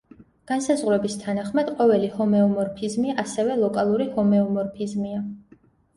განსაზღვრების თანახმად, ყოველი ჰომეომორფიზმი ასევე ლოკალური ჰომეომორფიზმია.